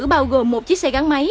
bao gồm một chiếc xe gắn máy